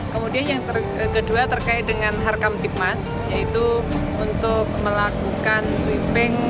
kemudian yang kedua terkait dengan harkam tipmas yaitu untuk melakukan sweeping